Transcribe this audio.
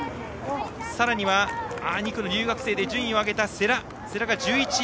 さらに、２区の留学生で順位を上げた世羅が１１位。